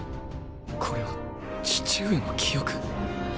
これは父上の記憶？